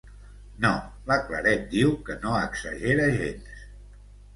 No, la Claret diu que no exagera gens.